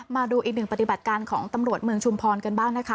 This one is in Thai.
มาดูอีกหนึ่งปฏิบัติการของตำรวจเมืองชุมพรกันบ้างนะคะ